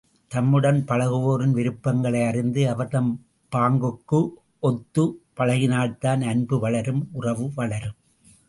தம்முடன் பழகுவோரின் விருப்பங்களை அறிந்து அவர்தம் பாங்குக்கு ஒத்துப் பழகினால்தான் அன்பு வளரும் உறவு வளரும்.